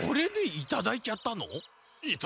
いただいちゃった。